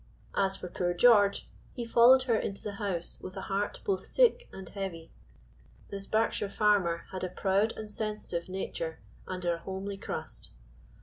As for poor George, he followed her into the house with a heart both sick and heavy. This Berkshire farmer had a proud and sensitive nature under a homely crust.